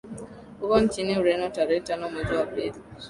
Uko nchini Ureno tarehe tano mwezi wa pili